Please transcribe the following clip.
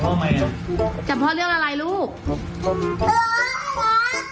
ทำไมไม่จับพ่อด้วยอ่ะ